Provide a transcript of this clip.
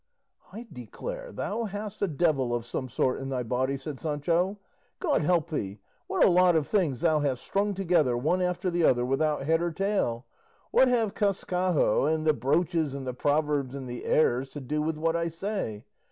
"I declare thou hast a devil of some sort in thy body!" said Sancho. "God help thee, what a lot of things thou hast strung together, one after the other, without head or tail! What have Cascajo, and the broaches and the proverbs and the airs, to do with what I say?